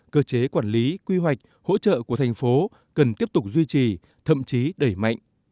cơ chế quản lý quy hoạch hỗ trợ của thành phố cần tiếp tục duy trì thậm chí đẩy mạnh